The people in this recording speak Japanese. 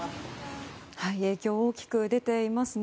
影響大きく出ていますね。